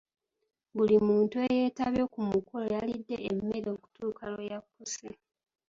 Buli muntu eyeetabye ku mukolo yalidde emmere okutuuka lwe yakkuse.